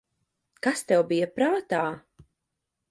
Kas tev bija prātā?